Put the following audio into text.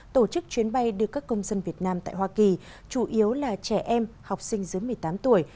tổ chức chuyến bay đưa các công dân việt nam tại hoa kỳ chủ yếu là trẻ em học sinh dưới một mươi tám tuổi